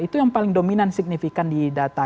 itu yang paling dominan signifikan di data